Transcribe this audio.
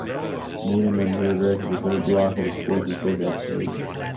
Nida Manzoor directed the third block of the fourth and fifth episodes.